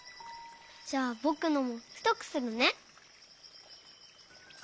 じゃあぼくのもふとくするね。